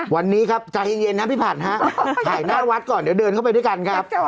วันนี้ครับใจเย็นนะพี่ผัดฮะถ่ายหน้าวัดก่อนเดี๋ยวเดินเข้าไปด้วยกันครับ